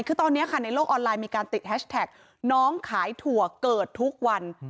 คือตอนนี้ค่ะในโลกออนไลน์มีการติดแฮชแท็กน้องขายถั่วเกิดทุกวัน